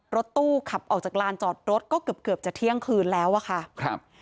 รถตู้ขับออกจากลานจอดรถก็เกือบเกือบจะเที่ยงคืนแล้วอะค่ะครับ